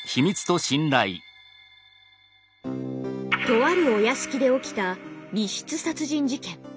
とあるお屋敷で起きた「密室」殺人事件。